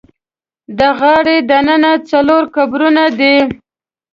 د غار دننه څلور قبرونه دي.